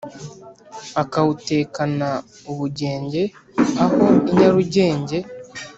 akawutekana ubugenge aho i nyarugenge.